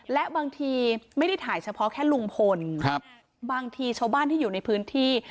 และบางทีไม่ได้ถ่ายเฉพาะแค่ลุงพลบางทีชาวบ้านที่อยู่ในพื้นที่